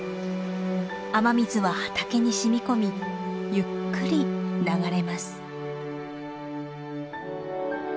雨水は畑に染み込みゆっくり流れます。